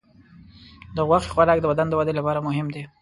د غوښې خوراک د بدن د وده لپاره مهم دی.